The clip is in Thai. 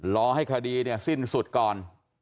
รอให้คดีเนี่ยสิ้นสุดก่อน